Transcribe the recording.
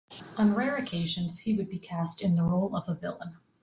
On rare occasions, he would be cast in the role of a villain.